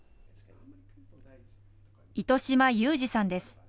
糸島裕司さんです。